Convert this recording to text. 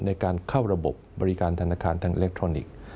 ในการเข้าระบบบบริการธนาคารทางอิเล็กทรอนิกส์